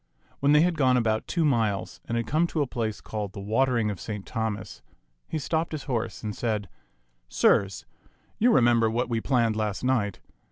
When they had gone about two miles and had come to a place called the Watering of Saint Thomas, he stopped his horse and said, "Sirs, you remember what we planned last night.